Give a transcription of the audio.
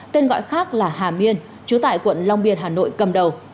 tên gọi khác là hà miên trú tại quận long biên hà nội cầm đầu